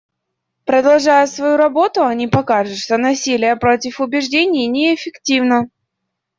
Продолжая свою работу, они покажут, что насилие против убеждений неэффективно.